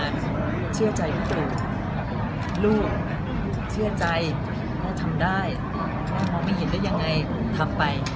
ดูลูกเชื่อใจน่าทำได้มองไม่เห็นได้ยังไงทำไป